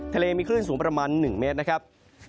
ทะเลมีคลื่นสูงประมาณ๑เมตรนะครับ